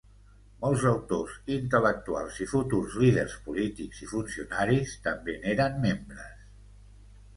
Molts autors, intel·lectuals i futurs líders polítics i funcionaris també n'eren membres.